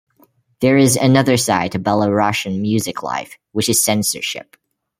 There is another side to Belarusian music life which is censorship.